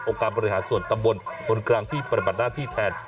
การบริหารส่วนตำบลคนกลางที่ปฏิบัติหน้าที่แทน